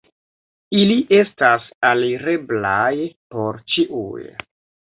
Ili estas alireblaj por ĉiuj.